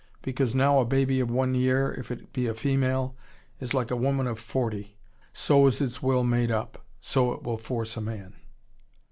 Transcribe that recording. Because now a baby of one year, if it be a female, is like a woman of forty, so is its will made up, so it will force a man."